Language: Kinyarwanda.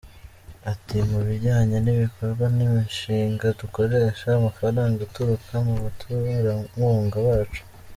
Ati: “Mu bijyanye n’ibikorwa n’imishinga dukoresha amafaranga aturuka mu baterankunga bacu.